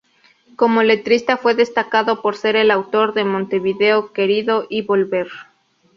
Como letrista fue destacado por ser el autor de "Montevideo querido" y "Volver".